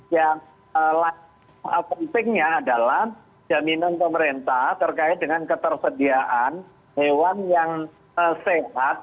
yang pentingnya adalah jaminan pemerintah terkait dengan ketersediaan hewan yang sehat